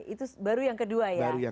itu baru yang kedua ya